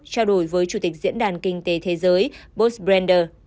trao đổi với chủ tịch diễn đàn kinh tế thế giới boris brinder